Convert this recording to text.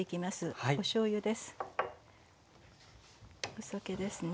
お酒ですね。